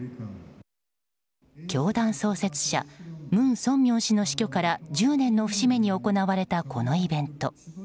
教団創設者文鮮明氏の死去から１０年の節目に行われたこのイベント。